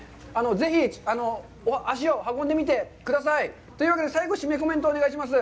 ぜひ足を運んでみてください。というわけで最後締めコメントお願いします。